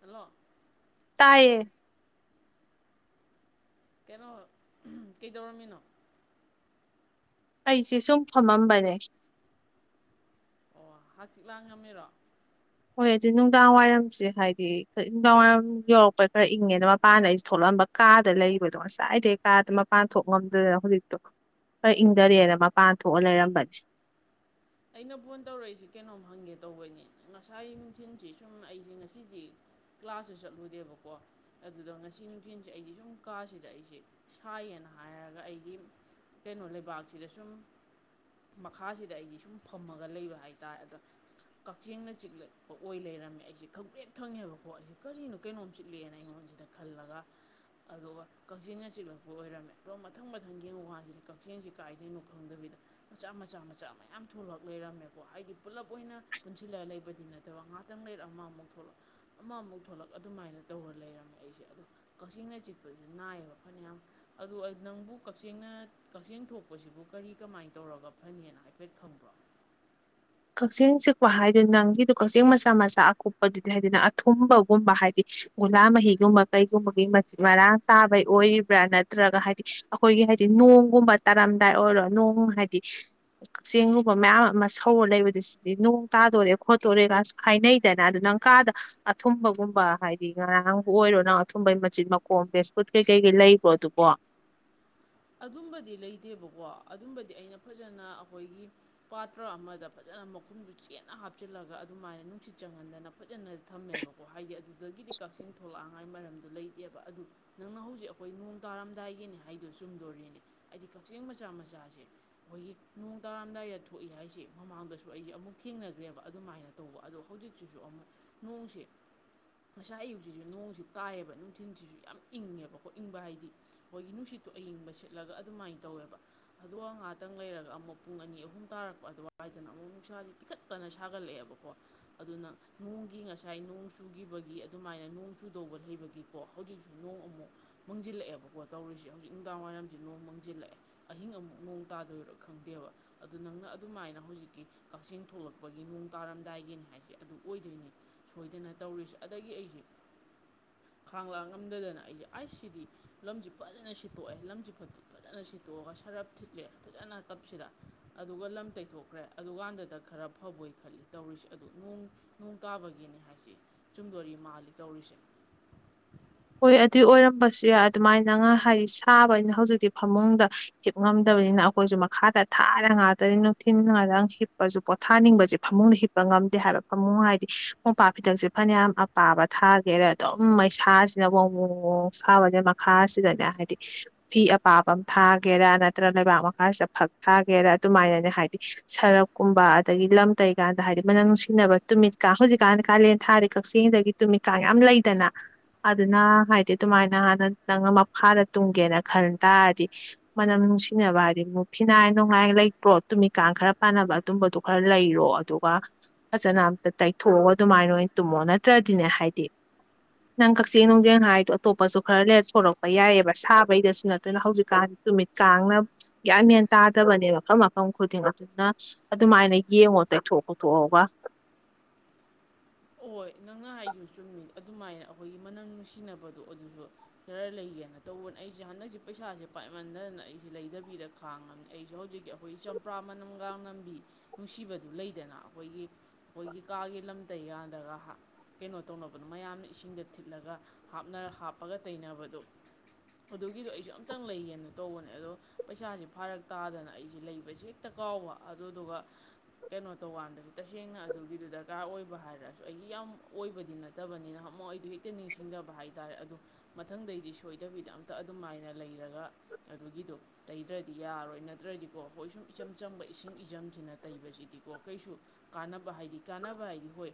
hello ꯇꯌꯦ ꯀꯩꯅꯣ ꯀꯩꯗꯣꯔꯝꯃꯤꯅꯣ ꯑꯩꯁꯦ ꯁꯨꯝ ꯐꯝꯃꯝꯕꯅꯦ ꯑꯣ ꯍꯆꯤꯛꯂꯥꯡ ꯉꯝꯃꯤꯔꯣ ꯍꯣꯏ ꯑꯗꯨ ꯅꯨꯡꯗꯥꯡ ꯋꯥꯏꯔꯝꯁꯦ ꯍꯥꯏꯗꯤ ꯅꯨꯡꯗꯥꯡ ꯋꯥꯏꯔꯝ ꯌꯧꯔꯛꯄ ꯈꯔ ꯏꯪꯉꯦꯅ ꯃꯄꯥꯟꯗ ꯑꯩ ꯊꯣꯛꯂꯛꯑꯝꯕ ꯀꯥꯗ ꯂꯩꯕꯗꯣ ꯉꯁꯥꯏꯗꯩ ꯀꯥꯗ ꯃꯄꯥꯟ ꯊꯣꯛ ꯉꯝꯗꯗꯅ ꯍꯧꯖꯤꯛꯇꯣ ꯈꯔ ꯏꯪꯊꯔꯦꯅ ꯃꯄꯥꯟ ꯊꯣꯛꯑ ꯂꯩꯔꯝꯕꯅꯤ ꯑꯩꯅ ꯐꯣꯟ ꯇꯧꯔꯛꯏꯁꯤ ꯀꯩꯅꯣꯝ ꯍꯪꯒꯦ ꯇꯧꯕꯅꯤ ꯉꯁꯥꯏ ꯅꯨꯡꯊꯤꯟꯁꯤ ꯁꯨꯝ ꯑꯩꯁꯦ ꯉꯁꯤꯗꯤ ꯀ꯭ꯂꯥꯁꯁꯨ ꯆꯠꯂꯨꯗꯦꯕꯀꯣ ꯑꯗꯨꯗ ꯉꯁꯤ ꯅꯨꯡꯊꯤꯟꯁꯤ ꯑꯩꯗꯤ ꯁꯨꯝ ꯀꯥꯁꯤꯗ ꯑꯩꯁꯦ ꯁꯥꯏꯌꯦꯅ ꯍꯥꯏꯔꯒ ꯑꯩꯒꯤ ꯀꯩꯅꯣ ꯂꯩꯕꯥꯛꯁꯤꯗ ꯁꯨꯝ ꯃꯈꯥꯁꯤꯗ ꯑꯩꯗꯤ ꯁꯨꯝ ꯐꯝꯃꯒ ꯂꯩꯕ ꯍꯥꯏꯇꯥꯔꯦ ꯑꯗꯣ ꯀꯛꯆꯦꯡꯅ ꯆꯤꯛꯂꯛꯄ ꯑꯣꯏ ꯂꯩꯔꯝꯃꯦ ꯑꯩꯁꯦ ꯈꯪꯕ꯭ꯔꯦꯛ ꯈꯪꯉꯦꯕꯀꯣ ꯑꯩꯁꯦ ꯀꯔꯤꯅꯣ ꯀꯩꯅꯣꯝ ꯆꯤꯛꯂꯦꯅ ꯑꯩꯉꯣꯟꯁꯤꯗ ꯈꯜꯂꯒ ꯑꯗꯨꯒ ꯀꯛꯆꯦꯡꯅ ꯆꯤꯛꯂꯛꯄ ꯑꯣꯏꯔꯝꯃꯦ ꯑꯗꯣ ꯃꯊꯪ ꯃꯊꯪꯒꯤ ꯌꯦꯡꯉꯨ ꯀꯟꯁꯤꯗ ꯀꯛꯆꯦꯡꯁꯤ ꯀꯥꯏꯗꯩꯩꯏꯅꯣ ꯈꯪꯗꯕꯤꯗ ꯃꯆꯥ ꯃꯆꯥ ꯃꯆꯥ ꯃꯌꯥꯝ ꯊꯣꯛꯂꯛ ꯂꯩꯔꯝꯃꯦꯀꯣ ꯍꯥꯏꯗꯤ ꯄꯨꯜꯂꯞ ꯑꯣꯏꯅ ꯄꯨꯟꯁꯤꯜꯂ ꯂꯩꯕꯗꯤ ꯅꯠꯇꯕ ꯉꯍꯥꯛꯇꯪ ꯂꯩꯔ ꯑꯃꯃꯨꯛ ꯊꯣꯛꯂꯛ ꯑꯃꯃꯨꯛ ꯊꯣꯛꯂꯛ ꯑꯗꯨꯃꯥꯏꯅ ꯇꯧꯔ ꯂꯩꯔꯝꯃꯦ ꯑꯩꯁꯦ ꯑꯗꯣ ꯀꯛꯆꯦꯡꯅ ꯆꯤꯛꯄꯁꯤ ꯅꯥꯏꯌꯦꯕ ꯐꯅꯌꯥꯝ ꯑꯗꯨ ꯅꯪꯕꯨ ꯀꯛꯆꯦꯡꯅ ꯀꯛꯆꯦꯡ ꯊꯣꯛꯄꯁꯤꯕꯨ ꯀꯔꯤ ꯀꯃꯥꯏꯅ ꯇꯧꯔꯒ ꯐꯅꯤꯅ ꯍꯥꯏꯐꯦꯠ ꯈꯪꯕꯔꯣ ꯀꯛꯆꯦꯡ ꯆꯤꯛꯄ ꯍꯥꯏꯗꯤ ꯅꯪꯒꯤꯗꯣ ꯀꯛꯆꯦꯡ ꯃꯆꯥ ꯃꯆꯥ ꯑꯀꯨꯞꯄꯗꯨꯗꯤ ꯍꯥꯏꯗꯅ ꯑꯊꯨꯝꯕꯒꯨꯝꯕ ꯍꯥꯏꯗꯤ ꯒꯨꯂꯥ ꯃꯍꯤꯒꯨꯝꯕ ꯀꯩꯒꯨꯝꯕꯒꯤ ꯃꯆꯤꯠ ꯃꯔꯥꯡ ꯆꯥꯕꯩ ꯑꯣꯏꯔꯤꯕ꯭ꯔꯥ ꯅꯠꯇ꯭ꯔꯒ ꯍꯥꯏꯗꯤ ꯑꯩꯈꯣꯏꯒꯤ ꯍꯥꯏꯗꯤ ꯅꯣꯡꯒꯨꯝꯕ ꯇꯥꯔꯝꯗꯥꯏ ꯑꯣꯏꯔꯣ ꯅꯣꯡ ꯍꯥꯏꯗꯤ ꯀꯛꯆꯦꯡꯒꯨꯝꯕ ꯃꯌꯥꯝ ꯑꯃ ꯍꯧꯔ ꯂꯩꯕꯗꯨ ꯁꯤꯗꯤ ꯅꯣꯡ ꯇꯥꯗꯣꯔꯦ ꯈꯣꯠꯇꯣꯔꯦ ꯀꯁꯨ ꯍꯥꯏꯅꯩꯗꯅ ꯑꯗꯨ ꯅꯪ ꯀꯥꯗ ꯑꯊꯨꯝꯕꯒꯨꯝꯕ ꯍꯥꯏꯗꯤ ꯉꯥꯔꯥꯡ ꯑꯣꯏꯔꯣ ꯅꯪ ꯑꯊꯨꯝꯕꯩ ꯃꯆꯤꯟꯠ ꯃꯈꯣꯝ ꯕꯦꯁꯀꯨꯠ ꯀꯩꯀꯩꯀꯩ ꯂꯩꯕ꯭ꯔꯣ ꯑꯗꯨꯕꯣ ꯑꯗꯨꯝꯕꯗꯤ ꯂꯩꯇꯦꯕꯀꯣ ꯑꯗꯨꯝꯕꯗꯤ ꯑꯩꯅ ꯐꯖꯅ ꯑꯩꯈꯣꯏꯒꯤ ꯄꯥꯇ꯭ꯔ ꯑꯃꯗ ꯐꯖꯅ ꯃꯈꯨꯝꯗꯨ ꯆꯦꯅ ꯍꯥꯞꯆꯤꯜꯂꯒ ꯑꯗꯨꯃꯥꯏꯅ ꯅꯨꯡꯁꯤꯠ ꯆꯪꯍꯟꯗꯅ ꯐꯖꯅ ꯊꯝꯃꯦꯕꯀꯣ ꯍꯥꯏꯗꯤ ꯑꯗꯨꯗꯒꯤꯗꯤ ꯀꯛꯆꯤꯡ ꯊꯣꯂꯥꯡ ꯃꯔꯝꯗꯣ ꯂꯩꯇꯦꯕ ꯑꯗꯨ ꯅꯪꯅ ꯍꯧꯖꯤꯛ ꯑꯩꯈꯣꯏ ꯅꯣꯡ ꯇꯥꯔꯝꯗꯥꯏꯒꯤꯅꯤ ꯍꯥꯏꯗꯣ ꯆꯨꯝ ꯗꯣꯔꯤꯅꯦ ꯍꯥꯏꯗꯤ ꯀꯛꯆꯦꯡ ꯃꯆꯥ ꯃꯆꯥꯁꯦ ꯑꯩꯈꯣꯏꯒꯤ ꯅꯣꯡ ꯇꯥꯔꯥꯝꯗꯥꯏꯗ ꯊꯣꯛꯏ ꯍꯥꯏꯁꯦ ꯃꯃꯥꯡꯗꯁꯨ ꯑꯩꯁꯦ ꯑꯃꯨꯛ ꯊꯦꯡꯅꯈ꯭ꯔꯦꯕ ꯑꯗꯨꯃꯥꯏꯅ ꯇꯧꯕ ꯑꯗꯣ ꯍꯧꯖꯤꯛꯁꯤꯁꯨ ꯑꯃꯨꯛ ꯅꯣꯡꯁꯦ ꯉꯥꯁꯥꯏ ꯑꯌꯨꯛꯁꯤꯁꯨ ꯅꯣꯡꯁꯤ ꯇꯥꯏꯌꯦꯕ ꯅꯨꯡꯊꯤꯟꯜꯁꯤꯁꯨ ꯌꯥꯝ ꯏꯪꯉꯦꯕ ꯀꯣ ꯏꯪꯕ ꯍꯥꯏꯗꯤ ꯑꯩꯈꯣꯏꯒꯤ ꯅꯨꯡꯁꯤꯠꯇꯣ ꯑꯌꯤꯡꯕ ꯁꯤꯠꯂꯒ ꯑꯗꯨꯃꯥꯏꯟ ꯇꯧꯋꯦꯕ ꯑꯗꯨꯒ ꯉꯍꯥꯛꯇꯪ ꯂꯩꯔꯒ ꯑꯃꯨꯛ ꯄꯨꯡ ꯑꯅꯤ ꯑꯍꯨꯝ ꯇꯥꯔꯛꯄ ꯑꯗꯨꯋꯥꯏꯗꯅ ꯑꯃꯨꯛ ꯅꯨꯡꯁꯥꯥꯁꯦ ꯇꯤꯡꯈꯠꯇꯅ ꯁꯥꯒꯠꯂꯛꯑꯦꯕꯀꯣ ꯑꯗꯨꯅ ꯅꯣꯡꯒꯤ ꯉꯁꯥꯏ ꯅꯣꯡ ꯆꯨꯒꯤꯕꯒꯤ ꯑꯗꯨꯃꯥꯏꯅ ꯅꯣꯡ ꯆꯨꯗꯧꯕ ꯂꯩꯕꯒꯤꯀꯣ ꯍꯧꯖꯤꯛꯁꯨ ꯅꯣꯡ ꯑꯃꯨꯛ ꯃꯪꯖꯤꯜꯂꯛꯑꯦꯕꯀꯣ ꯇꯧꯔꯤꯁꯦ ꯍꯧꯖꯤꯛ ꯅꯨꯡꯗꯥꯡ ꯋꯥꯏꯔꯝ ꯅꯣꯡ ꯃꯥꯡꯖꯤꯜꯂꯛꯑꯦ ꯑꯍꯤꯡ ꯑꯃꯨꯛ ꯅꯣꯡ ꯇꯥꯗꯣꯏꯔꯥ ꯈꯪꯗꯦꯕ ꯑꯗꯨ ꯅꯪꯅ ꯑꯗꯨꯃꯥꯏꯅ ꯍꯧꯖꯤꯛꯀꯤ ꯀꯛꯆꯤꯡ ꯊꯂꯛꯄꯒꯤ ꯅꯣꯡ ꯇꯥꯔꯝꯗꯥꯏꯒꯤꯅꯤ ꯍꯥꯏꯁꯦ ꯑꯗꯨ ꯑꯣꯏꯗꯣꯏꯅꯤ ꯁꯣꯏꯗꯅ ꯇꯧꯔꯤꯁꯦ ꯑꯗꯒꯤ ꯑꯩꯁꯦ ꯈꯥꯡ ꯂꯥꯡ ꯉꯝꯗꯗꯅ ꯑꯩꯁꯦ ꯑꯁ ꯁꯤꯗꯤ ꯂꯝꯁꯦ ꯐꯖꯅ ꯁꯤꯠꯇꯣꯛꯑꯦ ꯂꯝꯁꯦ ꯐꯖꯅ ꯁꯤꯠꯇꯣꯛꯑꯒ ꯁꯔꯞ ꯊꯤꯠꯂꯦ ꯐꯖꯅ ꯇꯞꯁꯤꯗ ꯑꯗꯨꯒ ꯂꯝ ꯇꯩꯊꯣꯛꯈ꯭ꯔꯦ ꯑꯗꯨꯀꯥꯟꯗꯨꯗ ꯈꯔ ꯐꯕꯣꯏ ꯈꯜꯂꯤ ꯇꯧꯔꯤꯁꯦ ꯑꯗꯨꯣꯡ ꯅꯣꯡ ꯇꯥꯕꯒꯤꯅꯤ ꯍꯥꯏꯁꯤ ꯆꯨꯝꯗꯣꯔꯤ ꯃꯥꯜꯂꯤ ꯇꯧꯔꯤꯁꯦ ꯍꯣꯏ ꯑꯗꯨꯏ ꯑꯣꯏꯔꯝꯕꯁꯨ ꯌꯥꯏ ꯑꯗꯨꯃꯥꯏꯅ ꯉ ꯍꯥꯏꯗꯤ ꯁꯥꯕꯅꯤꯅ ꯍꯧꯖꯤꯛꯇꯤ ꯐꯃꯨꯡꯗ ꯍꯤꯞ ꯉꯝꯗꯕꯅꯤꯅ ꯑꯩꯈꯣꯏꯁꯨ ꯃꯈꯥꯗ ꯊꯥꯔ ꯉꯥꯛꯇꯥꯅꯤ ꯅꯨꯡꯊꯤꯟ ꯉꯥꯛꯇ ꯍꯤꯞꯄꯁꯨ ꯄꯣꯊꯥꯅꯤꯡꯕꯁꯦ ꯐꯃꯨꯡꯗ ꯍꯤꯞꯄ ꯉꯝꯗꯦ ꯍꯥꯏꯕ ꯐꯃꯨꯡ ꯍꯥꯏꯗꯤ ꯃꯣꯝꯄꯥꯛ ꯐꯤꯗꯛꯁꯦ ꯐꯅꯌꯥꯝ ꯑꯄꯥꯕ ꯊꯥꯒꯦꯗ ꯑꯗꯨꯝ ꯃꯩꯁꯥꯁꯤ ꯅ ꯑꯃꯨꯛ ꯃꯨꯛ ꯃꯣꯔꯣꯛ ꯑꯁꯥꯕꯅꯦ ꯃꯈꯥꯁꯤꯗꯅꯦ ꯍꯥꯏꯗꯤ ꯐꯤ ꯑꯄꯥꯕ ꯑꯃ ꯊꯥꯒꯦꯔꯥ ꯅꯠꯇ꯭ꯔꯒ ꯂꯩꯕꯥꯛ ꯃꯈꯥꯁꯤꯗ ꯐꯛ ꯊꯥꯒꯦꯔꯥ ꯑꯗꯨꯃꯥꯏꯅꯅꯦ ꯍꯥꯏꯗꯤ ꯁꯔꯞꯀꯨꯝꯕ ꯑꯗꯒꯤ ꯂꯝ ꯇꯩꯀꯥꯟꯗ ꯍꯥꯏꯗꯤ ꯃꯅꯝ ꯅꯨꯡꯁꯤꯅꯕ ꯇꯨꯃꯤꯠꯀꯥ ꯍꯧꯖꯤꯛꯀꯥꯟ ꯀꯥꯂꯦꯟ ꯊꯥꯗꯤ ꯀꯛꯆꯤꯡꯗꯒꯤ ꯇꯨꯃꯤꯠꯀꯥ ꯌꯥꯝ ꯂꯩꯗꯅ ꯑꯗꯨꯅ ꯍꯥꯏꯗꯤ ꯑꯗꯨꯃꯥꯏꯅ ꯍꯥꯟꯅ ꯅꯪꯅ ꯃꯈꯥꯗ ꯇꯨꯝꯒꯦꯅ ꯈꯟ ꯇꯥꯔꯗꯤ ꯃꯅꯝ ꯅꯨꯡꯁꯤꯅꯕ ꯍꯥꯏꯗꯤꯛ ꯐꯤꯅꯥꯏ ꯅꯨꯡꯉꯥꯏ ꯂꯩꯀ꯭ꯔꯣ ꯇꯨꯃꯤꯀꯥꯟ ꯈꯔ ꯄꯥꯟꯅꯕ ꯑꯗꯨꯝꯕꯗꯨꯣ ꯈꯔ ꯂꯩꯔꯣ ꯑꯗꯨꯒ ꯐꯖꯅ ꯑꯝꯇ ꯇꯩꯊꯣꯛꯑꯒ ꯑꯗꯨꯃꯥꯏꯅ ꯑꯣꯏꯅ ꯇꯨꯝꯃꯣ ꯅꯠꯇ꯭ꯔꯗꯤꯅꯦ ꯍꯥꯏꯗꯤ ꯅꯪ ꯀꯛꯆꯤꯡ ꯅꯨꯡꯖꯤꯡ ꯍꯥꯏꯗꯣ ꯑꯇꯣꯞꯄꯁꯨ ꯈꯔ ꯂꯦꯔꯇ ꯁꯂꯛꯄ ꯌꯥꯏꯑꯕ ꯁꯥꯕꯩꯗꯁꯨ ꯅꯠꯇꯅ ꯍꯧꯖꯤꯛꯀꯥꯟꯗꯤ ꯅꯨꯃꯤꯠ ꯀꯥꯡꯅ ꯭ꯌꯥꯟꯃꯦꯟ ꯆꯥꯗꯕꯅꯦ ꯃꯐꯝ ꯃꯐꯝ ꯈꯨꯗꯤꯡ ꯑꯗꯨꯅ ꯑꯗꯨꯃꯥꯏꯅ ꯌꯦꯡꯉꯣ ꯇꯩꯊꯣꯛ ꯈꯣꯊꯣꯛꯑꯒ ꯍꯣꯏ ꯅꯪꯅ ꯍꯥꯏꯗꯨ ꯆꯨꯝꯃꯤ ꯑꯗꯨꯃꯥꯏꯅ ꯑꯩꯈꯣꯏꯒꯤ ꯃꯅꯝ ꯅꯨꯡꯁꯤꯅꯕꯗꯣ ꯑꯗꯨꯗꯨ ꯈꯔ ꯂꯩꯒꯦꯅ ꯇꯧꯕꯅ ꯑꯩꯁꯦ ꯍꯟꯗꯛꯁꯦ ꯄꯩꯁꯥꯁꯦ ꯄꯥꯏꯃꯟꯗꯗꯅ ꯑꯩꯁꯦ ꯂꯩꯗꯕꯤꯗ ꯈꯥꯡꯉꯕꯅꯤ ꯑꯩꯁꯨ ꯍꯧꯖꯤꯛꯀꯤ ꯑꯩꯈꯣꯏꯒꯤ ꯆꯝꯄ꯭ꯔꯥ ꯃꯅꯝꯒ ꯂꯝꯝꯕꯤ ꯅꯨꯡꯁꯤꯕꯗꯨ ꯂꯩꯗꯅ ꯑꯩꯈꯣꯏꯒꯤ ꯑꯩꯈꯣꯏꯒꯤ ꯀꯥꯒꯤ ꯂꯝꯇꯩ ꯌꯥꯗ ꯗ ꯀꯩꯅꯣ ꯇꯧꯅꯕꯗꯨꯣ ꯃꯌꯥꯝꯅ ꯏꯁꯤꯡꯗ ꯊꯤꯠꯂꯒ ꯍꯥꯞꯄꯒ ꯇꯩꯅꯕꯗꯣ ꯑꯗꯨꯒꯤꯗꯣ ꯑꯩꯁꯨ ꯑꯝꯇꯪ ꯂꯩꯒꯦꯅ ꯇꯧꯕꯅꯦ ꯑꯗꯣ ꯄꯩꯁꯥꯁꯦ ꯐꯥꯔꯛ ꯇꯥꯗꯅ ꯑꯩꯁꯦ ꯂꯩꯕꯁꯦ ꯍꯦꯛꯇ ꯀꯥꯎꯕ ꯑꯗꯨꯗꯨꯒ ꯀꯩꯅꯣ ꯇꯧꯀꯥꯟꯗꯗꯤ ꯇꯁꯦꯡꯅ ꯑꯗꯨꯒꯤꯗꯨ ꯗꯔꯀꯥꯔ ꯑꯣꯏꯕ ꯍꯥꯏꯔ ꯁꯨ ꯑꯩꯒꯤ ꯌꯥꯝ ꯑꯣꯏꯕꯗꯤ ꯅꯠꯇꯕꯅꯤꯅ ꯍꯦꯛꯇ ꯅꯤꯡꯁꯤꯡꯗꯕ ꯍꯥꯏꯇꯥꯔꯦ ꯑꯗꯨ ꯃꯊꯪꯗꯩꯗꯤ ꯁꯣꯏꯗꯕꯤꯗ ꯑꯝ__ ꯇ ꯑꯗꯨꯃꯥꯏꯅ ꯂꯩꯔꯒ ꯑꯗꯨꯒꯤꯗꯣ ꯇꯩꯗ꯭ꯔꯗꯤ ꯌꯥꯔꯣꯏ ꯅꯠꯇ꯭ꯔꯗꯤꯀꯣ ꯑꯩꯈꯣꯏ ꯁꯨꯝ ꯏꯆꯝ ꯆꯝꯕ ꯏꯁꯤꯡ ꯏꯆꯝꯁꯤꯅ ꯇꯩꯕꯁꯤꯗꯤꯀꯣ ꯀꯩꯁꯨ ꯀꯥꯟꯅꯕ ꯍꯥꯏꯗꯤ ꯀꯥꯟꯅꯕ ꯍꯥꯏꯗꯤ ꯍꯣꯏ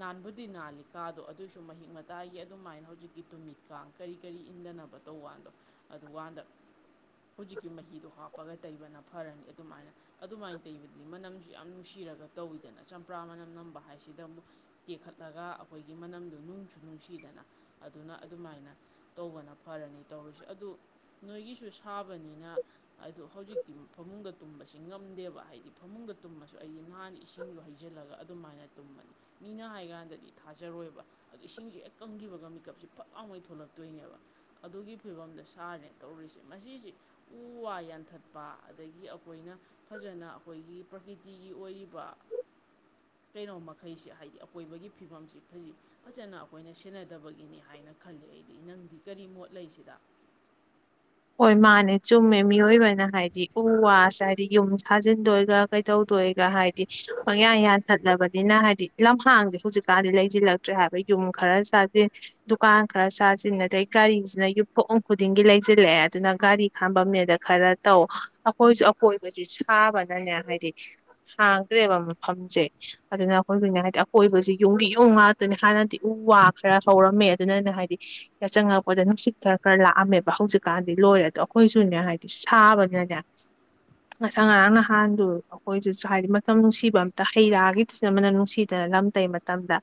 ꯅꯥꯟꯕꯨꯗꯤ ꯅꯥꯜꯂꯤꯀꯥꯗꯣ ꯑꯗꯨꯑꯣꯏꯁꯨ ꯃꯍꯤꯛ ꯃꯇꯥꯏꯒꯤ ꯑꯗꯨꯃꯥꯏꯅ ꯍꯧꯖꯤꯛꯀꯤ ꯇꯨꯃꯤꯠꯀ ꯀꯔꯤ ꯀꯔꯤ ꯏꯟꯗꯅꯕ ꯇꯧꯀꯥꯟꯗꯣ ꯑꯗꯨꯀꯥꯟꯗ ꯍꯧꯖꯤꯛꯀꯤ ꯃꯍꯤꯗꯣ ꯍꯥꯞꯄꯒ ꯇꯩꯕꯅ ꯐ ꯐꯔꯅꯤ ꯑꯗꯨꯃꯥꯏꯅ ꯑꯗꯨꯃꯥꯏꯅ ꯇꯩꯕꯗꯤ ꯃꯅꯝꯁꯨ ꯌꯥꯝ ꯅꯨꯡꯁꯤꯔꯒ ꯇꯧꯋꯤꯗꯅ ꯆꯝꯄ꯭ꯔꯥ ꯃꯅꯝ ꯅꯝꯕ ꯍꯥꯏꯁꯦ ꯗ ꯑꯃꯨꯛ ꯇꯦꯛꯈꯠꯂꯒ ꯑꯩꯈꯣꯏꯒꯤ ꯃꯅꯝꯗꯣ ꯅꯨꯡꯁꯨ ꯅꯨꯡꯁꯤꯗꯅ ꯑꯗꯨꯅ ꯑꯗꯨꯃꯥꯏꯅ ꯇꯧꯕꯅ ꯐꯔꯅꯤ ꯇꯧꯔꯤꯁꯨ ꯑꯗꯨ ꯅꯣꯏꯒꯤꯁꯨ ꯁꯥꯕꯅꯤꯅ ꯑꯗꯨ ꯍꯧꯖꯤꯛꯇꯤ ꯐꯃꯨꯡꯗ ꯇꯨꯝꯕꯁꯤ ꯉꯝꯗꯦꯕ ꯍꯥꯏꯗꯤ ꯐꯃꯨꯡꯗ ꯇꯨꯝꯃꯁꯨ ꯑꯩꯗꯤ ꯅꯍꯥꯟ ꯏꯁꯤꯡꯗꯣ ꯍꯩꯖꯤꯜꯂꯒ ꯑꯗꯨꯃꯥꯏꯅ ꯇꯨꯝꯃꯅꯤ ꯃꯤꯅ ꯍꯥꯏꯀꯥꯟꯗꯗꯤ ꯊꯥꯖꯔꯣꯏꯕ ꯑꯗꯨ ꯏꯁꯤꯡꯁꯦ ꯍꯦꯛ ꯀꯪꯈꯤꯕꯒ ꯃꯦꯀꯞꯁꯤ ꯐꯛ ꯂꯥꯎꯉꯩ ꯊꯣꯛꯣꯂꯛꯇꯣꯏꯅꯦꯕ ꯑꯗꯨꯒꯤ ꯐꯤꯕꯝꯗ ꯁꯥꯔꯅꯦ ꯇꯧꯔꯨꯔꯤꯁꯦ ꯃꯁꯤꯁꯦ ꯎ ꯋꯥ ꯌꯥꯟꯊꯠꯄ ꯑꯗꯒꯤ ꯑꯩꯈꯣꯏꯅ ꯐꯖꯅ ꯑꯩꯈꯣꯏꯒꯤ ꯄ꯭ꯔꯀꯤꯇꯤꯒꯤ ꯑꯣꯏꯔꯤꯕ ꯀꯩꯅꯣꯃ ꯑꯩꯩꯁꯦ ꯍꯥꯏꯕꯗꯤ ꯑꯀꯣꯏꯕꯒꯤ ꯐꯤꯕꯝꯁꯤ ꯐ ꯐꯖꯅ ꯑꯩꯈꯣꯏꯅ ꯁꯦꯟꯅꯗꯕꯒꯤꯅꯤ ꯍꯥꯏꯅ ꯈꯜꯂꯤ ꯑꯩꯗꯤ ꯅꯪꯗꯤ ꯀꯔꯤ ꯃꯣꯠ ꯂꯩꯁꯤꯗ ꯍꯣꯏ ꯃꯥꯅꯦ ꯆꯨꯝꯃꯦ ꯃꯤꯑꯣꯏꯕꯅ ꯍꯥꯏꯗꯤ ꯎ ꯋꯥꯁꯦ ꯍꯥꯏꯗꯤ ꯌꯨꯝ ꯁꯥꯖꯤꯟꯗꯣꯏꯒ ꯀꯩꯗꯧꯗꯣꯏꯒ ꯍꯥꯏꯗꯤ ꯍꯪꯌꯥꯟ ꯌꯥꯟꯊꯠꯂꯕꯅꯤꯅ ꯍꯥꯏꯗꯤ ꯂꯝꯍꯥꯡꯗꯤꯦ ꯍꯧꯖꯤꯛꯀꯥꯟꯗꯤ ꯂꯩꯁꯤꯜꯂꯛꯇ꯭ꯔꯦ ꯍꯥꯏꯕ ꯌꯨꯝ ꯈꯔ ꯆꯥꯁꯤꯟ ꯗꯨꯀꯥꯟ ꯈꯔ ꯆꯥꯁꯤꯟ ꯑꯗꯩ ꯒꯥꯔꯤꯁꯤꯅ ꯌꯨꯝꯊꯣꯡ ꯈꯨꯗꯤꯡꯒꯤ ꯁꯤꯜꯂꯛꯑꯦ ꯑꯗꯨꯅ ꯒꯥꯔꯤ ꯈꯥꯝꯝꯕꯅꯦꯗ ꯈꯔ ꯇꯧ ꯑꯩꯈꯣꯏꯁꯨ ꯑꯀꯣꯏꯕꯁꯤ ꯁꯥꯕꯅꯅꯦ ꯍꯥꯏꯗꯤ ꯍꯥꯡꯗ꯭ꯔꯦꯕ ꯃꯐꯝꯁꯦ ꯑꯗꯨꯅ ꯑꯩꯈꯣꯏꯁꯨꯅꯦ ꯍꯥꯏꯗꯤ ꯑꯀꯣꯏꯕꯁꯤ ꯌꯨꯝꯗꯤ ꯌꯣꯡ ꯉꯥꯛꯇꯅꯦ ꯍꯥꯟꯅꯗꯤ ꯎ ꯋꯥ ꯈꯔ ꯍꯧꯔꯝꯃꯦ ꯑꯗꯨꯅꯅꯦ ꯍꯥꯏꯗꯤ ꯌꯥ ꯆꯪꯉꯛꯄꯗ ꯅꯨꯡꯁꯤꯠ ꯈꯔ ꯈꯔ ꯂꯥꯛꯑꯝꯃꯦꯕ ꯍꯧꯖꯤꯛ ꯀꯥꯟꯗꯤ ꯂꯣꯏꯔꯦ ꯑꯗꯣ ꯑꯩꯈꯣꯏꯁꯨꯅꯦ ꯍꯥꯏꯗꯤ ꯁꯥꯕꯅꯅꯦ ꯉꯁꯥꯡ ꯉꯔꯥꯡ ꯅꯍꯥꯟꯗꯨ ꯑꯩꯈꯣꯏꯁꯨꯁꯨ ꯍꯥꯏꯗꯤ ꯃꯇꯝ ꯅꯨꯡꯁꯤꯕ ꯑꯝꯇ ꯍꯩ ꯔꯥꯒꯤꯗꯨꯅ ꯑꯃꯅ ꯅꯨꯡꯁꯤꯗꯅ ꯂꯝ ꯇꯩ ꯃꯇꯝꯗ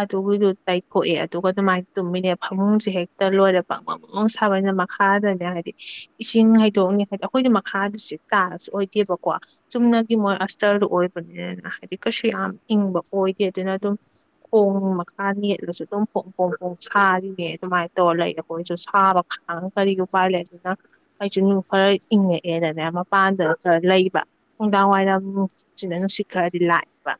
ꯑꯗꯨꯒꯤꯗꯨ ꯇꯩꯊꯣꯛꯑꯦ ꯑꯗꯨꯒ ꯑꯗꯨꯃꯥꯏꯅ ꯇꯨꯝꯃꯤꯅꯦ ꯐꯃꯨꯡꯁꯨꯦ ꯍꯦꯛꯇ ꯂꯣꯏꯔꯦ ꯄꯥꯛꯃꯪꯃꯥꯡ ꯁꯥꯕꯅ ꯃꯈꯥꯗꯅꯦ ꯍꯥꯏꯗꯤ ꯏꯁꯤꯡ ꯍꯩꯗꯣꯛꯑꯅꯤ ꯍꯥꯏꯗꯤ ꯑꯩꯈꯣꯏꯅ ꯃꯈꯥꯗꯁꯨ ꯇꯥꯔꯁꯨ ꯑꯣꯏꯗꯦꯕꯀꯣ ꯆꯨꯝꯅꯒꯤ ꯃꯣꯏ ꯑꯁꯇꯔꯗꯨ ꯑꯣꯏꯕꯅꯤꯅꯅ ꯍꯥꯏꯗꯤ ꯀꯩꯁꯨ ꯌꯥꯝ ꯏꯪꯕ ꯑꯣꯏꯗꯦ ꯑꯗꯨꯅ ꯑꯗꯨꯝ ꯈꯣꯡ ꯃꯈꯥ ꯅꯦꯠꯂꯁꯨ ꯑꯗꯨꯝ ꯐꯣꯡ ꯐꯣꯡ ꯐꯣꯡ ꯁꯥꯔꯤꯅꯦ ꯑꯗꯨꯃꯥꯏꯅ ꯇꯧꯔ ꯂꯩꯔ ꯑꯩꯈꯣꯏꯁꯨ ꯁꯥꯕ ꯀꯔꯤꯒ ꯎ ꯄꯥꯏꯜ ꯂꯩꯦ ꯑꯗꯨꯅ ꯑꯩꯁꯨ ꯅꯨꯡ ꯈꯔ ꯏꯪꯉꯛꯑꯦꯅꯅꯦ ꯃꯄꯥꯟꯗ ꯈ ꯂꯩꯕ ꯅꯨꯡꯗꯥꯡ ꯋꯥꯏꯔꯝ ꯅꯨꯡ ꯁꯤꯅ ꯅꯨꯡꯁꯤꯠ ꯈꯔꯗꯤ ꯂꯥꯛꯑꯦꯕ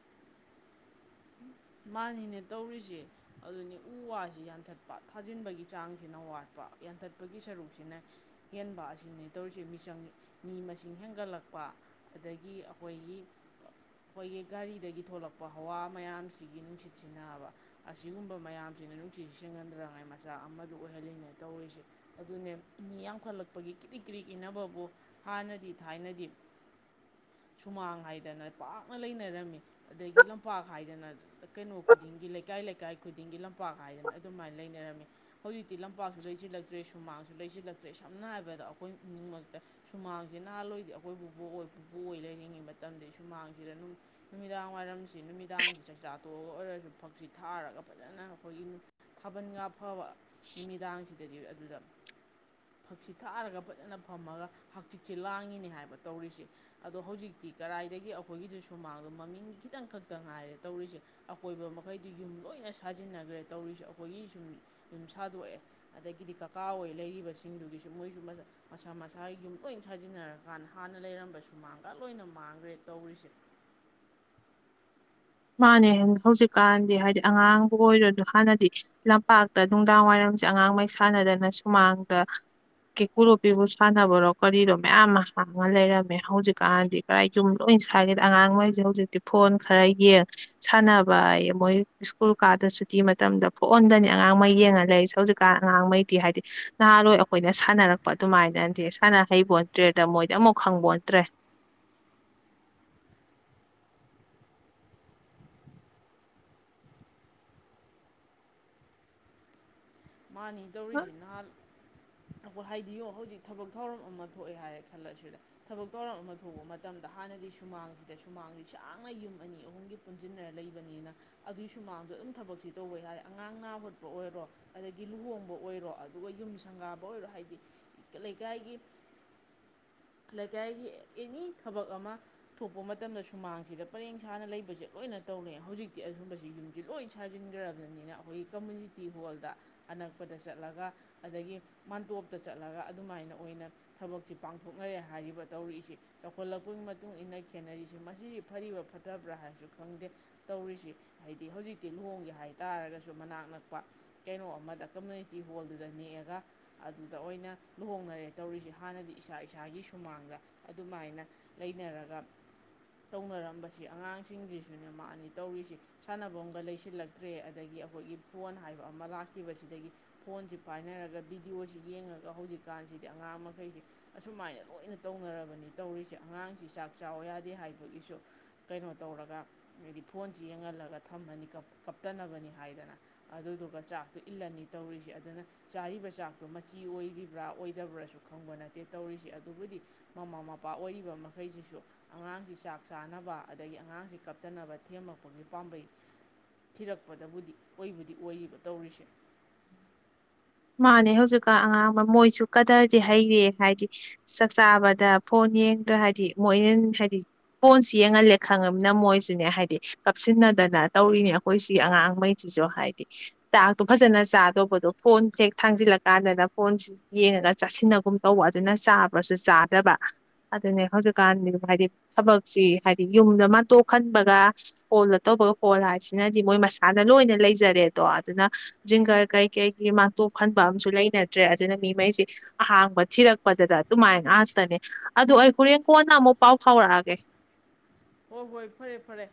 ꯃꯥꯅꯤꯅꯦ ꯇꯧꯔꯤꯁꯦ ꯑꯗꯨꯅꯤ ꯎ ꯋꯥꯁꯤ ꯌꯥꯟꯊꯠꯄ ꯊꯥꯖꯤꯟꯕꯒꯤ ꯆꯥꯡꯁꯤꯅ ꯋꯥꯠꯄ ꯌꯥꯟꯊꯠꯄꯒꯤ ꯁꯔꯨꯛꯁꯤꯅ ꯍꯦꯟꯕ ꯑꯁꯤꯅꯦ ꯇꯧꯔꯤꯁꯦ ꯃꯤꯆꯪ ꯃꯤ ꯃꯁꯤꯡ ꯍꯦꯟꯒꯠꯂꯛꯄ ꯑꯗꯒꯤ ꯑꯩꯈꯣꯏꯒꯤ ꯑꯩꯈꯣꯏꯒꯤ ꯒꯥꯔꯤꯗꯒꯤ ꯊꯣꯛꯂꯛꯄ ꯍꯋꯥ ꯃꯌꯥꯝꯁꯤ ꯁꯤꯒꯤ ꯅꯨꯡꯁꯤꯠ ꯁꯤꯖꯤꯟꯅꯕ ꯑꯁꯤꯒꯨꯝꯕ ꯃꯌꯥꯝꯁꯤꯅ ꯅꯨꯡꯁꯤꯠꯁꯤ ꯁꯤꯖꯤꯍꯟꯗꯅꯉꯥꯏ ꯃꯆꯥꯛ ꯑꯃꯗ ꯑꯣꯏꯍꯜꯂꯤꯉꯩ ꯇꯧꯔꯤꯁꯦ ꯑꯗꯨꯅꯦ ꯃꯤ ꯌꯥꯝꯈꯠꯂꯛꯄꯒꯤ ꯀ꯭ꯔꯤꯛ ꯀ꯭ꯔꯤꯛ ꯏꯅꯕꯕꯨ ꯍꯥꯟꯅꯗꯤ ꯊꯥꯏꯅꯗꯤ ꯁꯨꯃꯥꯡ ꯍꯥꯏꯗꯅ ꯄꯥꯛꯅ ꯂꯩꯅꯔꯝꯃꯤ ꯑꯗꯒꯤ ꯂꯝꯄꯥꯛ ꯍꯥꯏꯗꯅ ꯀꯩꯅꯣ ꯈꯨꯗꯤꯡꯒꯤ ꯂꯩꯀꯥꯏ ꯂꯩꯀꯥꯏ ꯈꯨꯗꯤꯡꯒꯤ ꯂꯝꯄꯥꯛ ꯍꯥꯏꯗꯅ ꯑꯗꯨꯃꯥꯏꯅ ꯂꯩꯅꯔꯝꯃꯤ ꯍꯧꯖꯤꯛꯇꯤ ꯂꯝꯄꯥꯛꯁꯨ ꯂꯩꯁꯤꯤꯜꯂꯛꯇ꯭ꯔꯦ ꯁꯨꯃꯥꯡꯁꯨ ꯂꯩꯁꯤꯜꯂꯛꯇ꯭ꯔꯦ ꯁꯝꯅ ꯍꯥꯏꯔꯕꯗ ꯑꯩꯈꯣꯏ ꯏꯃꯨꯡꯃꯛꯇ ꯁꯨꯃꯥꯡꯁꯦ ꯅꯍꯥꯟꯋꯥꯏꯗꯤ ꯑꯩꯈꯣꯏ ꯄꯨꯕꯣꯛ ꯄꯨꯕꯣꯛ ꯑꯣꯏ ꯂꯩꯅꯤꯡꯉꯩ ꯃꯇꯝꯗꯗꯤ ꯁꯨꯃꯥꯡꯁꯤꯗ ꯅꯨꯃꯤꯗꯥꯡ ꯋꯥꯏꯔꯝꯁꯤ ꯅꯨꯃꯤꯗꯥꯡꯁꯤ ꯆꯥꯛꯆꯥ ꯐꯣꯇꯣꯒ ꯑꯣꯏꯔꯁꯨ ꯐꯛꯁꯤ ꯊꯥꯔꯒ ꯐꯖꯅ ꯑꯩꯈꯣꯏꯒꯤ ꯊꯥꯕꯜꯒ ꯐꯕ ꯅꯨꯃꯤꯗꯥꯡꯁꯤꯗꯗꯤ ꯑꯗꯨꯗ ꯐꯛꯁꯤ ꯊꯥꯔꯒ ꯐꯖꯅ ꯐꯝꯃꯒ ꯍꯛꯆꯤꯛꯁꯦ ꯂꯥꯡꯉꯤꯅꯤ ꯍꯥꯏꯕ ꯇꯧꯔꯤꯁꯦ ꯑꯗꯣ ꯍꯧꯖꯤꯛꯇꯤ ꯀꯗꯥꯏꯗꯒꯤ ꯑꯩꯈꯣꯏꯒꯤꯁꯨ ꯁꯨꯃꯥꯡꯗꯣ ꯃꯃꯤꯡ ꯈꯤꯇꯪ ꯈꯛꯇ ꯉꯥꯏꯔꯦ ꯇꯧꯔꯤꯁꯦ ꯑꯀꯣꯏꯕ ꯃꯈꯩꯗꯨ ꯌꯨꯝ ꯂꯣꯏꯅ ꯁꯥꯖꯤꯟꯅꯈ꯭ꯔꯦ ꯇꯧꯔꯤꯁ ꯑꯩꯈꯣꯏꯒꯤ ꯁꯨꯝ ꯌꯨꯝ ꯁꯥꯗꯣꯛꯑꯦ ꯑꯗꯒꯤꯗꯤ ꯀꯀꯥ ꯍꯣꯏ ꯂꯩꯔꯤꯕꯁꯤꯡꯗꯨꯒꯤꯁꯨ ꯃꯣꯏꯁꯨ ꯃꯁꯥ ꯃꯁꯥꯒꯤ ꯌꯨꯝ ꯂꯣꯏ ꯁꯥꯖꯤꯟꯅꯔꯀꯥꯟꯗ ꯍꯥꯟꯅ ꯂꯩꯔꯝꯕ ꯁꯨꯃꯥꯡꯒ ꯂꯣꯏꯅ ꯃꯥꯡꯈ꯭ꯔꯦ ꯇꯧꯔꯤꯁꯦ ꯃꯥꯅꯦ ꯍꯧꯖꯤꯛꯀꯥꯟꯗꯤ ꯍꯥꯏꯗꯤ ꯑꯉꯥꯡꯕꯨ ꯑꯣꯏꯔꯣꯁꯨ ꯍꯥꯟꯅꯗꯤ ꯂꯝꯄꯥꯛꯇ ꯅꯨꯡꯗꯥꯡ ꯋꯥꯏꯔꯝꯁꯦ ꯑꯉꯥꯡꯉꯩ ꯁꯥꯟꯅꯗꯅ ꯁꯨꯃꯥꯡꯗ ꯀꯦꯀꯨ ꯂꯣꯄꯤꯕꯨ ꯁꯥꯟꯅꯕꯔꯣ ꯀꯔꯤꯔꯣ ꯃꯌꯥꯝ ꯑꯃ ꯍꯥꯡꯉ ꯂꯩꯔꯝꯃꯦ ꯍꯧꯖꯤꯛꯀꯥꯟꯗꯤ ꯀꯗꯥꯥꯏ ꯌꯨꯝ ꯂꯣꯏ ꯁꯒꯦꯗ ꯑꯉꯥꯡꯉꯩꯁꯦ ꯍꯧꯖꯤꯛꯇꯤ ꯐꯣꯟ ꯈꯔ ꯌꯦꯡ ꯁꯥꯟꯅꯕ ꯃꯣꯏ ꯁ꯭ꯀꯨꯜ ꯀꯥꯗ ꯁꯨꯇꯤ ꯃꯇꯝꯗ ꯐꯣꯛꯍꯟꯗꯅꯤ ꯑꯉꯥꯡꯉꯩ ꯌꯦꯡꯉ ꯂꯩꯦ ꯍꯧꯖꯤꯛꯀꯥꯟ ꯑꯉꯥꯡꯉꯩꯗꯤ ꯍꯥꯏꯗꯤ ꯅꯍꯥꯥꯟꯋꯥꯏ ꯑꯩꯈꯣꯏꯅ ꯁꯥꯟꯅꯔꯛꯄ ꯑꯗꯨꯃꯥꯏꯅꯗꯤ ꯁꯥꯟꯅ ꯍꯩꯕꯣꯟꯇ꯭ꯔꯦꯗ ꯃꯣꯏꯗꯤ ꯑꯃꯨꯛ ꯈꯪꯕ ꯍꯣꯟꯇ꯭ꯔꯦ ꯃꯥꯅꯤ ꯇꯧꯔꯤꯁꯤ ꯅꯍꯥꯟ ꯑꯩꯈꯣꯏ ꯍꯥꯏꯗꯤꯌꯣ ꯍꯧꯖꯤꯛ ꯊꯕꯛ ꯊꯧꯔꯝ ꯑꯃ ꯊꯣꯛꯑꯦ ꯍꯥꯏꯔꯦ ꯈꯜꯂꯁꯤꯗ ꯊꯕꯛ ꯊꯧꯔꯝ ꯑꯃ ꯊꯣꯛꯄ ꯃꯇꯝꯗ ꯍꯥꯟꯅꯗꯤ ꯁꯨꯃꯥꯡꯁꯤꯗ ꯁꯨꯃꯥꯡꯁꯤ ꯁꯥꯡꯅ ꯌꯨꯝ ꯑꯅꯤ ꯑꯍꯨꯝꯒꯤ ꯄꯨꯟꯁꯤꯟꯅꯔ ꯂꯩꯕꯅꯤꯅ ꯑꯗꯨꯒꯤ ꯁꯨꯃꯥꯡꯁꯨ ꯑꯗꯨꯝ ꯊꯕꯛꯁꯤ ꯇꯧꯕ ꯌꯥꯔꯦ ꯑꯉꯥꯡ ꯉꯥ ꯍꯨꯠꯄ ꯑꯣꯏꯔꯣ ꯑꯗꯒꯤ ꯂꯨꯍꯣꯡꯕ ꯑꯣꯏꯔꯣ ꯑꯗꯨꯒ ꯌꯨꯝ ꯁꯪꯒꯥꯕ ꯑꯣꯏꯔꯣ ꯍꯥꯏꯗꯤ ꯂꯩꯀꯥꯏꯒꯤ ꯂꯩꯀꯥꯏꯒꯤ ꯑꯦꯅꯤ ꯊꯕꯛ ꯑꯃ ꯊꯣꯛꯄ ꯃꯇꯝꯗ ꯁꯨꯃꯥꯡꯁꯤꯗ ꯄꯔꯦꯡ ꯁꯥꯅ ꯂꯩꯕꯁꯦ ꯂꯣꯏꯅ ꯇꯧꯔꯦ ꯍꯧꯖꯤꯛꯇꯤ ꯑꯒꯨꯝꯕꯁꯤ ꯌꯨꯝꯁꯤ ꯂꯣꯏ ꯁꯥꯖꯤꯟꯈ꯭ꯔꯕꯅꯤꯅ ꯑꯩꯈꯣꯏꯒꯤ ꯀꯝꯃꯨꯅꯤꯇꯤ ꯍꯣꯜꯗ ꯑꯅꯛꯄꯗ ꯆꯠꯂꯒ ꯑꯗꯒꯤ ꯃꯥꯟꯇꯣꯞꯇ ꯆꯠꯂꯒ ꯑꯗꯨꯃꯥꯏꯅ ꯑꯣꯏꯅ ꯊꯕꯛꯁꯤ ꯄꯥꯡꯊꯣꯛꯅꯔꯦ ꯍꯥꯏꯔꯤꯕ ꯇꯧꯔꯛꯏꯁꯤ ꯆꯥꯎꯈꯠꯂꯛꯄꯒꯤ ꯃꯇꯨꯡ ꯏ ꯃꯇꯨꯡꯏꯟꯅ ꯈꯦꯠꯅꯔꯤꯁꯤ ꯃꯁꯤꯁꯤ ꯐꯔꯤꯕ ꯐꯠꯇꯕ꯭ꯔꯥ ꯍꯥꯏꯔꯁꯨ ꯈꯪꯗꯦ ꯇꯧꯔꯤꯁꯤ ꯍꯥꯏꯗꯤ ꯍꯧꯖꯤꯛꯇꯤ ꯂꯨꯍꯣꯡꯒꯦ ꯍꯥꯏ ꯇꯥꯔꯒꯁꯨ ꯃꯅꯥꯛ ꯅꯛꯄ ꯀꯩꯅꯣ ꯑꯃꯗ ꯀꯝꯃꯨꯅꯤꯇꯤ ꯍꯣꯜꯗꯨꯗ ꯅꯦꯛꯑꯒ ꯑꯗꯨꯗ ꯑꯣꯏꯅ ꯂꯨꯍꯣꯡꯅꯔꯦ ꯇꯧꯔꯤꯁꯤ ꯍꯥꯟꯅꯗꯤ ꯏꯁꯥ ꯏꯁꯥꯒꯤ ꯁꯨꯃꯥꯡꯗ ꯑꯗꯨꯃꯥꯏꯅ ꯂꯩꯅꯔꯒ ꯇꯧꯅꯔꯝꯕꯁꯤ ꯑꯉꯥꯡꯁꯤꯡꯁꯤꯁꯨꯅꯦ ꯃꯥꯅꯤ ꯇꯧꯔꯤꯁꯤ ꯁꯥꯟꯅꯐꯝꯒ ꯂꯩꯁꯤꯜꯂꯛꯇ꯭ꯔꯦ ꯑꯗꯒꯤ ꯑꯩꯈꯣꯏꯒꯤ ꯐꯣꯟ ꯍꯥꯏꯕ ꯑꯃ ꯑꯃ ꯂꯥꯛꯈꯤꯕꯁꯤꯗꯒꯤ ꯐꯣꯟꯁꯤ ꯄꯥꯏꯅꯔꯒ ꯚꯗꯤꯑꯣꯁꯤ ꯌꯦꯡꯉꯒ ꯍꯧꯖꯤꯛꯀꯥꯟꯁꯤꯗꯤ ꯑꯉꯥꯡ ꯃꯈꯩꯁꯤꯦ ꯑꯁꯨꯃꯥꯏꯅ ꯂꯣꯏꯅ ꯇꯧꯅꯔꯕꯅꯤ ꯇꯧꯔꯤꯁꯦ ꯑꯉꯥꯡꯁꯤ ꯆꯥꯛ ꯆꯥꯎ ꯌꯥꯗꯦ ꯍꯥꯏꯕꯒꯤꯁꯨ ꯀꯩꯅꯣ ꯇꯧꯔꯒ ꯍꯥꯏꯗꯤ ꯐꯣꯟꯁꯤ ꯌꯦꯡꯍꯜꯂꯒ ꯊꯝꯃꯅꯤ ꯀꯞꯇꯅꯕꯅꯤ ꯍꯥꯏꯗꯅ ꯑꯗꯨꯗꯨ ꯆꯥꯛꯇꯣ ꯏꯜꯂꯅꯤ ꯇꯧꯔꯤꯁꯦ ꯑꯗꯨꯅ ꯆꯥꯔꯤꯕ ꯆꯥꯛꯇꯣ ꯃꯆꯤ ꯑꯣꯏꯔꯤꯕ꯭ꯔꯥ ꯑꯣꯏꯗꯕ꯭ꯔꯥꯁꯨ ꯈꯪꯕ ꯅꯠꯇꯦ ꯇꯧꯔꯤꯁꯦ ꯑꯗꯨꯕꯨꯗꯤ ꯃꯃꯥ ꯃꯄꯥ ꯑꯣꯏꯔꯤꯕ ꯃꯈꯩꯁꯤꯁꯨ ꯑꯉꯥꯡꯁꯤ ꯆꯥꯛ ꯆꯥꯅꯕ ꯑꯗꯒꯤ ꯑꯉꯥꯡꯁꯤ ꯀꯞꯇꯅꯕ ꯊꯦꯝꯃꯛꯄꯒꯤ ꯄꯥꯝꯕꯩ ꯊꯤꯔꯛꯄꯗꯕꯨꯗꯤ ꯑꯣꯏꯕꯨꯗꯤ ꯑꯣꯏꯔꯤꯕ ꯇꯧꯔꯤꯁꯦ ꯃꯥꯅꯦ ꯍꯧꯖꯤꯛꯀ ꯑꯉꯥꯡ ꯃꯣꯏꯁꯨ ꯀꯗꯔꯗꯤ ꯍꯩꯔꯦ ꯍꯥꯏꯗꯤ ꯆꯥꯛ ꯆꯥꯕꯗ ꯐꯣꯟ ꯌꯦꯡꯗ꯭ꯔ ꯍꯥꯏꯗꯤ ꯃꯣꯏꯅ ꯍꯥꯏꯗꯤ ꯐꯣꯟꯁꯤ ꯌꯦꯡꯍꯜꯂꯦ ꯈꯪꯉꯕꯅꯤꯅ ꯃꯣꯏꯁꯨꯅꯦ ꯍꯥꯏꯗꯤ ꯀꯥꯞꯁꯤꯟꯅꯗꯅ ꯇꯧꯔꯤꯅꯦ ꯑꯩꯈꯣꯏ ꯁꯤꯒꯤ ꯑꯉꯥꯡꯉꯩꯁꯤꯁꯨ ꯍꯥꯏꯗꯤ ꯆꯥꯛꯇꯨ ꯐꯖꯅ ꯆꯥꯗꯧꯕꯗꯣ ꯐꯣꯟ ꯍꯦꯛ ꯊꯥꯡꯖꯤꯜꯂꯀꯥꯟꯗ ꯐꯣꯟꯁꯤ ꯌꯦꯡꯉꯒ ꯆꯥꯁꯤꯟꯅꯒꯨꯝ ꯇꯧꯕ ꯑꯗꯨꯅ ꯆꯥꯕ꯭ꯔꯁꯨ ꯆꯥꯗꯕ ꯑꯗꯨꯅꯦ ꯍꯧꯖꯤꯛꯀꯥꯟꯗꯤ ꯍꯥꯏꯗꯤ ꯊꯕꯛꯁꯤ ꯍꯥꯏꯗꯤ ꯌꯨꯝꯗ ꯃꯟꯇꯣꯛꯍꯟꯕꯒ ꯀꯣꯜꯂ ꯇꯧꯕꯒ ꯀꯣꯜ ꯍꯥꯏꯁꯤꯅꯗꯤ ꯃꯣꯏ ꯃꯁꯥꯅ ꯂꯣꯏꯅ ꯂꯩꯖꯔꯦꯗꯣ ꯑꯗꯨꯅ ꯖꯤꯡꯒꯔ ꯀꯩ ꯀꯩꯒꯤ ꯇꯣꯛꯍꯟꯕ ꯑꯃꯁꯝꯨ ꯂꯩꯅꯗ꯭ꯔꯦ ꯑꯗꯨꯅ ꯃꯤꯉꯩꯁꯤꯦ ꯑꯍꯥꯡꯕ ꯊꯤꯔꯛꯄꯗꯨꯗ ꯑꯗꯨꯃꯥꯏꯅ ꯑꯥꯛꯥꯁꯇꯅꯦ ꯑꯗꯨꯗ ꯑꯩ ꯍꯣꯔꯦꯟ ꯀꯣꯟꯅ ꯑꯃꯨꯛ ꯄꯥꯎ ꯐꯥꯎꯔꯛꯑꯒꯦ ꯍꯣꯏ ꯍꯣꯏ ꯐꯔꯦ ꯐꯔꯦ